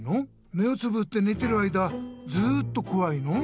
目をつぶってねてる間ずっとこわいの？